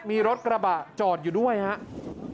มีรถกระบะจอดอยู่ด้วยครับ